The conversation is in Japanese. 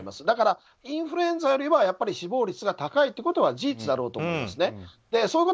だから、インフルエンザよりはやっぱり死亡率が高いことは事実だろうと思うんですね。